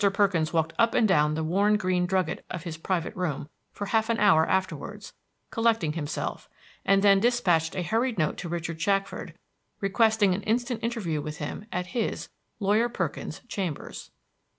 Perkins walked up and down the worn green drugget of his private room for half an hour afterwards, collecting himself, and then dispatched a hurried note to Richard Shackford, requesting an instant interview with him at his, Lawyer Perkins's, chambers.